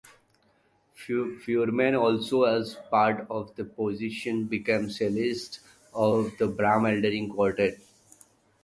Feuermann also, as part of the position, became cellist of the Bram Elderling Quartet.